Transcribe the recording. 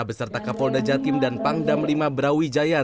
beserta kapolda jatim dan pangdam lima brawijaya